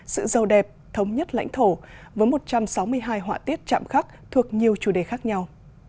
sự giàu đẹp thống nhất lãnh thổ với một trăm sáu mươi hai họa tiết chạm khắc thuộc nhiều chủ đề khác nhau